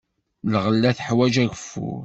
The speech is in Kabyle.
Lɣella teḥwaj ageffur.